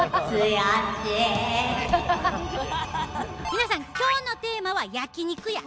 皆さん今日のテーマは焼き肉や。